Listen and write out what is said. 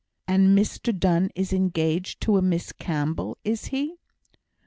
"And Mr Donne is engaged to a Miss Campbell, is he?"